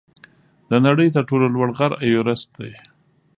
د نړۍ تر ټولو لوړ غر ایورسټ دی.